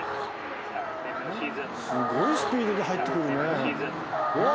すごいスピードで入ってくるね。